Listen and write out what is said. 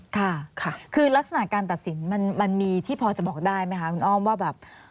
ค่ะค่ะคือลักษณะการตัดสินมันมีที่พอจะบอกได้ไหมคะคุณอ้อมว่าแบบ